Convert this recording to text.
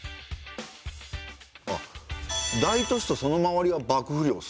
あっ大都市とその周りは幕府領っすね。